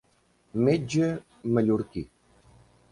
Metge mallorquí.